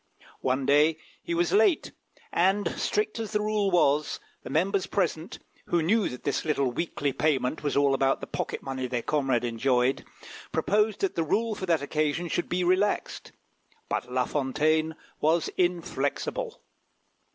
One day he was late, and, strict as the rule was, the members present, who knew that this little weekly payment was about all the pocket money their comrade enjoyed, proposed that the rule for that occasion should be relaxed; but La Fontaine was inflexible.